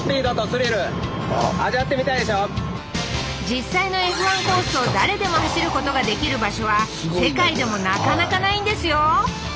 実際のＦ−１コースを誰でも走ることができる場所は世界でもなかなかないんですよ